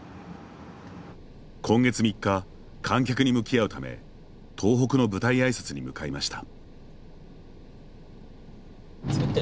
今月３日、観客に向き合うため東北の舞台挨拶に向かいました。